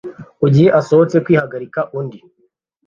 Igihe asohotse kwihagarika undi